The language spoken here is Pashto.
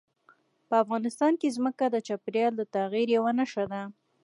په افغانستان کې ځمکه د چاپېریال د تغیر یوه نښه ده.